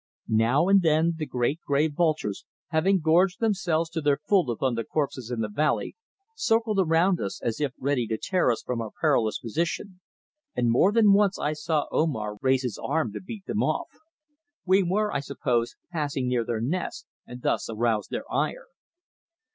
Now and then the great grey vultures, having gorged themselves to their full upon the corpses in the valley, circled around us as if ready to tear us from our perilous position, and more than once I saw Omar raise his arm to beat them off. We were, I suppose, passing near their nests and thus aroused their ire.